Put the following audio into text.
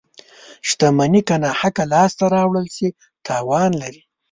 • شتمني که ناحقه لاسته راوړل شي، تاوان لري.